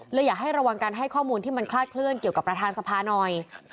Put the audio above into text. อยากให้ระวังการให้ข้อมูลที่มันคลาดเคลื่อนเกี่ยวกับประธานสภาหน่อย